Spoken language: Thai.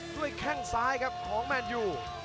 ด้วยแข้งซ้ายครับท้องแมนดิว